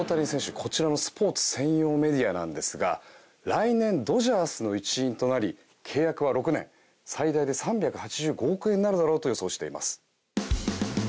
こちらのスポーツ専門メディアなんですが来年、ドジャースの一員となり契約は６年最大で３８５億円になるだろうと予想しています。